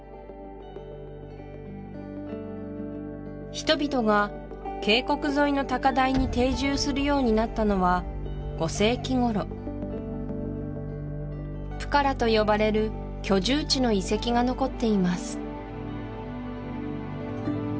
人々が渓谷沿いの高台に定住するようになったのは５世紀頃プカラと呼ばれる居住地の遺跡が残っています